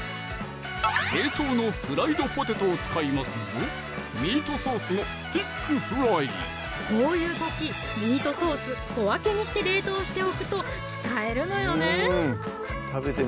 冷凍のフライドポテトを使いますぞこういう時ミートソース小分けにして冷凍しておくと使えるのよね